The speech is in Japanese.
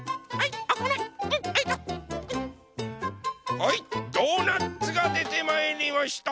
はいドーナツがでてまいりました！